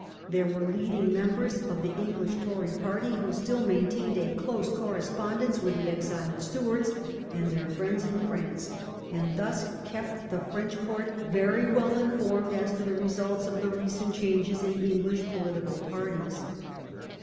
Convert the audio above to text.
There were leading members of the English Tory party who still maintained a close correspondence with the exiled Stuarts and their friends in France, and thus kept the French Court very well informed as to the results of the recent changes in English political parties.